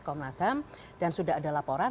komnas ham dan sudah ada laporan